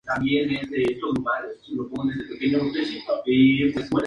Se construyeron dos aviones de prueba de concepto como parte del programa.